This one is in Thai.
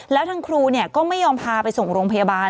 แล้วทางครูก็ไม่ยอมพาไปส่งโรงพยาบาล